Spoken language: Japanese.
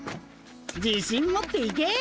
自信持っていけ！